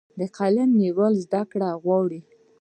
د قلم نیول زده کړه غواړي.